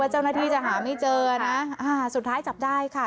เจ้าหน้าที่จะหาไม่เจอนะอ่าสุดท้ายจับได้ค่ะ